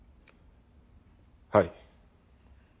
はい。